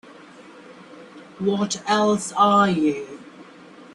What else are you?